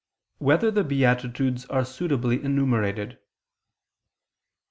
3] Whether the Beatitudes Are Suitably Enumerated?